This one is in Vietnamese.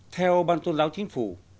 theo ban tôn giáo chính phủ